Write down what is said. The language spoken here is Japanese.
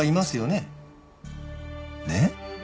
ねっ？